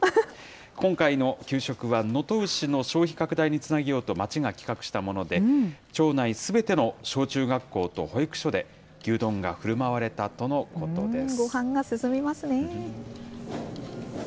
今回の給食は、能登牛の消費拡大につなげようと、町が企画したもので、町内すべての小中学校と保育所で、牛丼がふるまわれたとのことです。